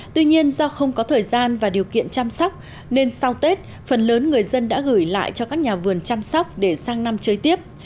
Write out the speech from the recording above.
tuy nhiên do không có thời gian và điều kiện chăm sóc nên sau tết phần lớn người dân đã gửi lại cho các nhà vườn chăm sóc để sang năm chơi tiếp